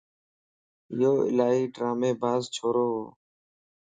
يو الائي ڊرامي باز ڇوروَ